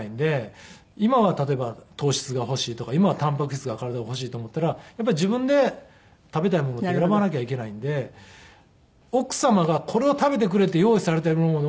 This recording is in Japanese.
今は例えば糖質が欲しいとか今はたんぱく質が体が欲しいと思ったらやっぱり自分で食べたいものって選ばなきゃいけないんで奥様がこれを食べてくれって用意されているものを食べる。